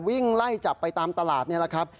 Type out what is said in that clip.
วิ่งไล่จับไปตามตลาดนี่แหละครับ